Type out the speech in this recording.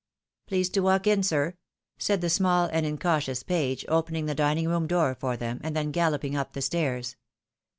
" Please to walk in, sir," said the small and incautious page, opening the dining room door for them, and then galloping up the stairs.